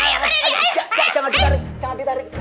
jangan ditarik jangan ditarik